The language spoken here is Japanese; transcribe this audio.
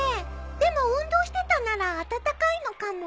でも運動してたなら暖かいのかも。